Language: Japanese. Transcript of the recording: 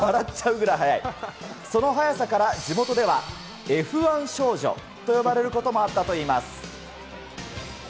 その速さから地元ではＦ１少女と呼ばれることもあったといいます。